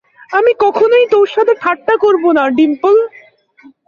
আমি কখনোই তোর সাথে ঠাট্টা করব না, ডিম্পল।